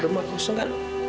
rumah kosong gak lu